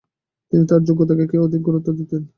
তিনি তার যোগ্যতা কে অধিক গুরুত্ব দিতেন।